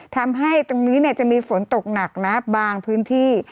ทำให้ตรงนี้จะมีฝนตกหนักนะบางพื้นที่